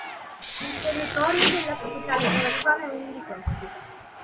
Il territorio della capitale Erevan è uno di questi.